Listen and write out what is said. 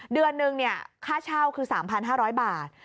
เดือนนึงค่าเช่าคือ๓๕๐๐บาท